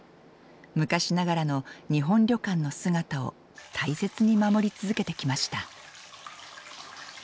昔ながらの日本旅館の姿を大切に守り続けてきました。